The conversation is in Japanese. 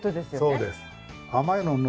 そうです。